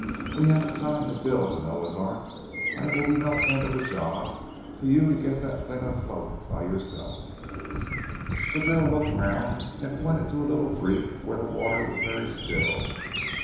We haven't time to build a Noah's Ark, and it will be no end of a job for you to get the thing afloat by yourself." The girl looked round and pointed to a little creek where the water was very still.